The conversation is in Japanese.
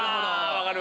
分かる！